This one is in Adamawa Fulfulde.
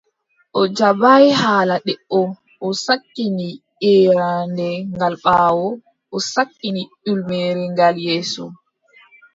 O jaɓaay haala debbo, o sakkini yeeraande gal ɓaawo, o sakkini ƴulmere gal yeeso.